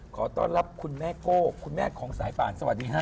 ขอต้อนรับคุณแม่โก้คุณแม่ของสายป่านสวัสดีฮะ